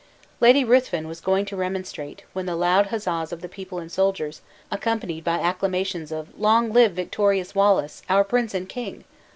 Lady Ruthven was going to remonstrate, when the loud huzzas of the people and soldiers, accompanied by acclamations of "Long live victorious Wallace, our prince and king!"